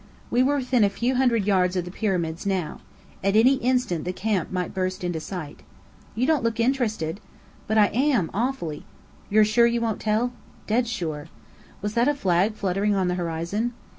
We were within a few hundred yards of the Pyramids now. At any instant the camp might burst into sight. "You don't look interested!" "But I am, awfully!" "You're sure you won't tell?" "Dead sure." (Was that a flag fluttering on the horizon?)